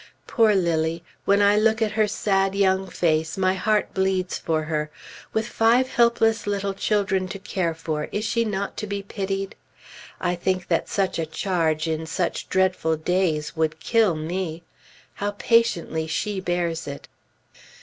Poor Lilly! When I look at her sad young face, my heart bleeds for her. With five helpless little children to care for, is she not to be pitied? I think that such a charge, in such dreadful days, would kill me. How patiently she bears it!